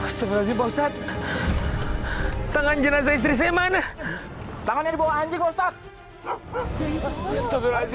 astagfirullahaladzim pak ustadz tangan jenazah istri saya mana tangannya dibawa anjing pak ustadz